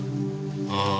ああ。